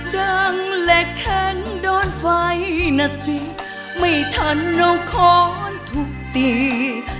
ดังและแข็งโดนไฟนะสิไม่ทันเราค้อนทุบตี